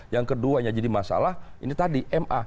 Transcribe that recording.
yang keduanya jadi masalah ini tadi ma